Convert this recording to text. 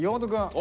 お！